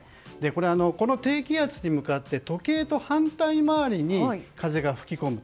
この低気圧に向かって時計と反対周りに風が吹き込む。